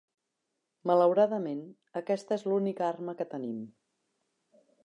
Malauradament, aquesta és l'única arma que tenim.